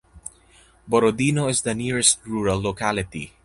Borodino is the nearest rural locality.